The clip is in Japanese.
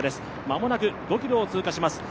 間もなく５ｋｍを通過します。